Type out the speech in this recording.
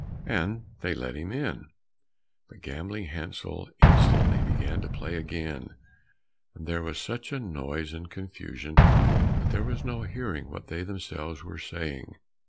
And they let him in. But Gambling Hansel instantly began to play again, and there was such a noise and confusion that there was no hearing what they themselves were saying.